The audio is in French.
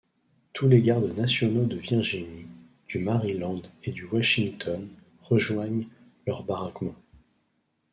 Tous les gardes nationaux de Virginie, du Maryland et du Washington rejoignent leurs baraquements.